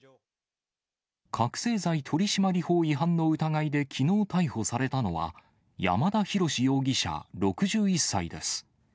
覚醒剤取締法違反の疑いできのう逮捕されたのは、山田啓志容疑者６１歳です。